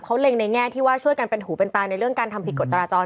เขาเล็งในแง่ที่ว่าช่วยกันเป็นหูเป็นตายในเรื่องการทำผิดกฎจราจร